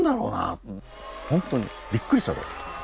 本当にびっくりしたろうと。